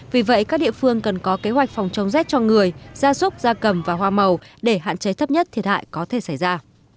vì vậy các địa phương cần có kế hoạch phòng chống rét cho người gia súc gia cầm và hoa màu để hạn chế thấp nhất thiệt hại có thể xảy ra